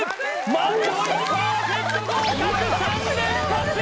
満場一致パーフェクト合格３連発！